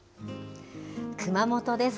熊本です。